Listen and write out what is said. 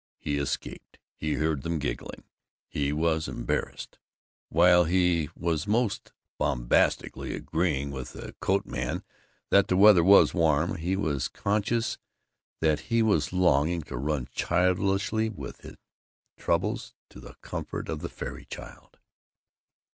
he escaped. He heard them giggling. He was embarrassed. While he was most bombastically agreeing with the coat man that the weather was warm, he was conscious that he was longing to run childishly with his troubles to the comfort of the fairy child.